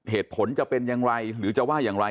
เหตุผลจะเป็นอย่างไรหรือจะว่าอย่างไร